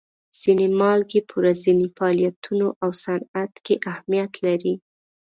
ځینې مالګې په ورځیني فعالیتونو او صنعت کې اهمیت لري.